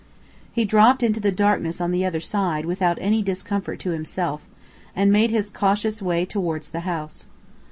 He dropped into the darkness on the other side without any discomfort to himself, and made his cautious way towards the house.